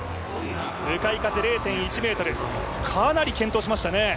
向かい風０．１ｍ、かなり健闘しましたね。